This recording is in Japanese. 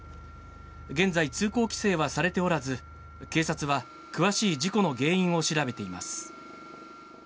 現在、通行規制はされておらず、警察は詳しい事故の原因を調べています。